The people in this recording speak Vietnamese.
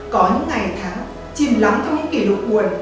có những ngày tháng chìm lắm trong những kỷ lục buồn